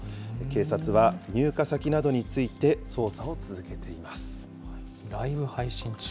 警察は入荷先などについて捜査をライブ配信中？